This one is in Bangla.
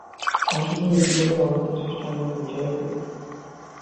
অশুভ দেখি বলেই অনর্থের সৃষ্টি আমরা নিজেরাই করি।